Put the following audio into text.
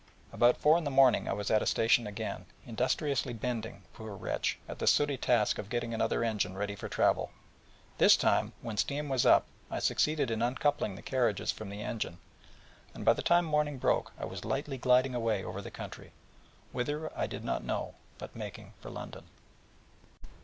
About four in the morning I was at a station again, industriously bending, poor wretch, at the sooty task of getting another engine ready for travel. This time, when steam was up, I succeeded in uncoupling the carriages from the engine, and by the time morning broke, I was lightly gliding away over the country, whither I did not know, but making for London.